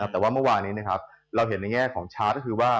แต่ว่าเมื่อวานี้เราเห็นในแง่ของชาร์จก็คือว่า